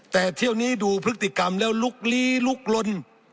แต่เที่ยวนี้ดูพฤติกรรมแล้วลุกลี้ลุกลน